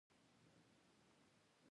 ټکنالوجي د اقتصاد پراختیا کې مرسته کوي.